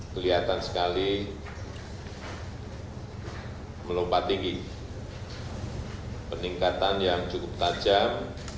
kelihatan sekali melompat tinggi peningkatan yang cukup tajam